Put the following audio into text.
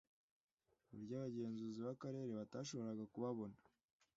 ku buryo abagenzuzi b akarere batashoboraga ku babona